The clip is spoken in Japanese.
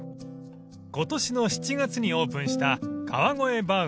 ［今年の７月にオープンした］